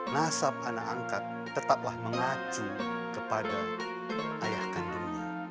nasab anak angkat tetaplah mengacu kepada ayahkan dunia